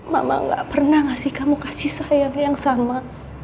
mama gak pernah ngasih kamu kasih sayang yang sama